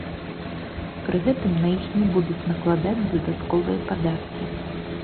Пры гэтым на іх не будуць накладаць дадатковыя падаткі.